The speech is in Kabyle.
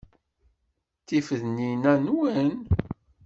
Tifednin-a nwen?